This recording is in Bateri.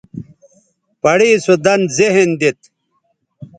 پڑےسو دَن ذہن دیت